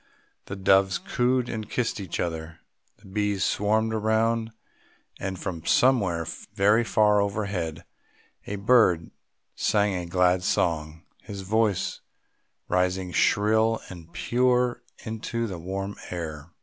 The doves cooed and kissed each other; the bees swarmed around, and from somewhere very far overhead a bird sang a glad song, his voice rising shrill and pure into the warm air.